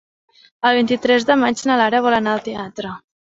El vint-i-tres de maig na Lara vol anar al teatre.